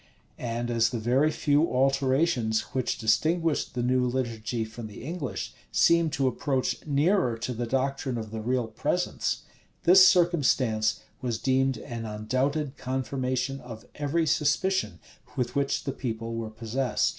And as the very few alterations which distinguished the new liturgy from the English, seemed to approach nearer to the doctrine of the real presence, this circumstance was deemed an undoubted confirmation of every suspicion with which the people were possessed.